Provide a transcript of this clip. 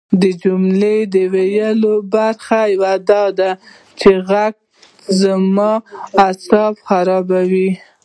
د جملو د ویلو برخه کې یوه ده چې غږ کې زما اعصاب خرابوي